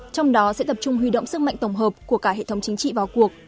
trong đó sẽ tập trung huy động sức mạnh tổng hợp của cả hệ thống chính trị vào cuộc